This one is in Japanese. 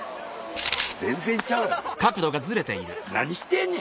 全然ちゃうやないか何してんねん。